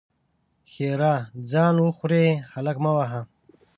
ښېرا: ځان وخورې؛ هلک مه وهه!